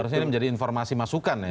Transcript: harusnya ini menjadi informasi masukan ya